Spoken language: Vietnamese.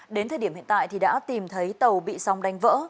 đến thời điểm hiện tại thì đã tìm thấy tàu bị sóng đánh vỡ